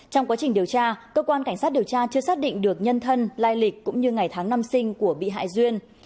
trong quá trình điều tra cơ quan cảnh sát điều tra chưa xác định được nhân thân lai lịch cũng như ngày tháng năm sinh của bị hại duyên